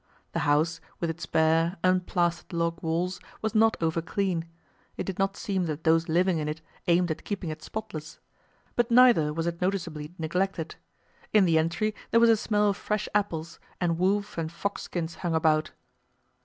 The house, with its bare, unplastered log walls, was not overclean—it did not seem that those living in it aimed at keeping it spotless—but neither was it noticeably neglected. In the entry there was a smell of fresh apples, and wolf and fox skins hung about.